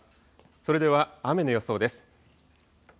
それでは雨の予想です。